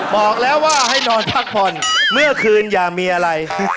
บอกแล้วว่าให้นอนพักผ่อนเมื่อคืนอย่ามีอะไร